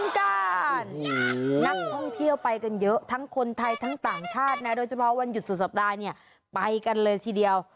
นักท่องเที่ยวไปกันเยอะทั้งคนไทยทั้งต่างชาตินะโดยเฉพาะวันหยุดสุดสัปดาห์เนี่ยไปกันเลยทีเดียว